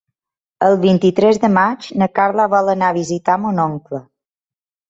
El vint-i-tres de maig na Carla vol anar a visitar mon oncle.